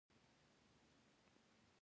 پوزه او غوږونه عمر وده کوي.